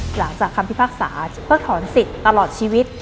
หลังจากคำพิพากษาเพิกถอนสิทธิ์ตลอดชีวิต